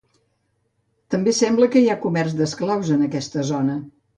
També sembla que hi havia comerç d'esclaus en aquesta zona.